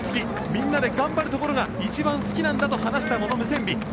みんなで頑張るところが一番好きなんだと話したルカ・ムセンビ。